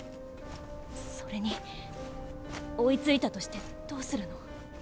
それに追いついたとしてどうするの？